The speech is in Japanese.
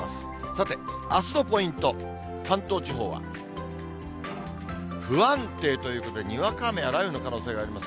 さて、あすのポイント、関東地方は不安定ということで、にわか雨や雷雨の可能性があります。